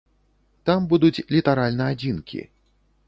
Там будуць літаральна адзінкі.